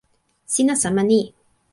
sina sama ni.